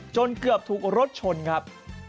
จนเกือบถูกรถชนครับ